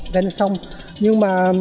ba son nhưng mà